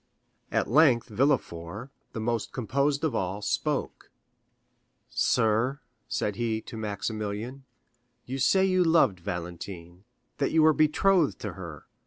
At length Villefort, the most composed of all, spoke: "Sir," said he to Maximilian, "you say you loved Valentine, that you were betrothed to her.